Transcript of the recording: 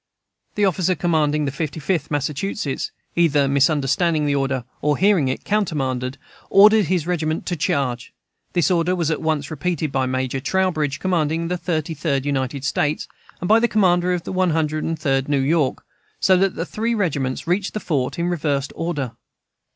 The officer commanding the Fifty Fifth Massachusetts, either misunderstanding the order, or hearing it countermanded, ordered his regiment to charge. This order was at once repeated by Major Trowbridge, commanding the Thirty Third United States, and by the commander of the One Hundred and Third New York, so that the three regiments reached the fort in reversed order.